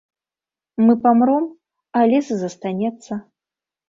Мы памром, а лес застанецца.